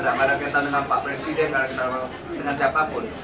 nggak ada kaitan dengan pak presiden dengan siapapun